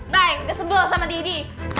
bang udah sebel sama didi